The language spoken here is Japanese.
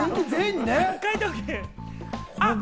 あっ！